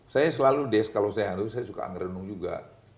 saya selalu des kalau saya harus saya suka anggrenung juga